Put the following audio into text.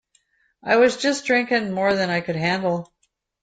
I was just drinking more than I could handle.